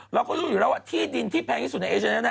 เราก็รู้อยู่แล้วว่าที่ดินที่แพงที่สุดในเอเชียนั้น